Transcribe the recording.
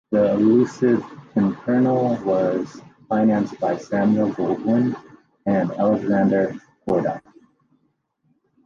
"The Elusive Pimpernel" was financed by Samuel Goldwyn and Alexander Korda.